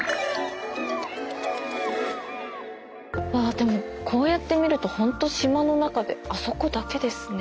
でもこうやって見るとホント島の中であそこだけですね。